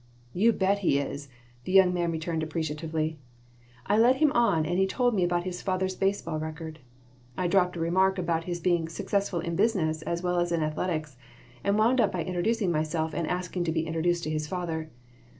"You bet he is," the young man returned, appreciatively. I led him on and he told me about his father's baseball record. I dropped a remark about his being "successful in business as well as in athletics" and wound up by introducing myself and asking to be introduced to his father.